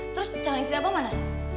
terus canggih sini abah mana